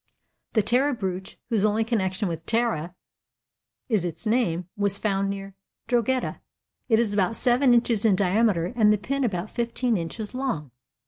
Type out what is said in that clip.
The Tara Brooch, whose only connection with Tara is its name, was found near Drogheda; it is about seven inches in diameter and the pin about fifteen inches long.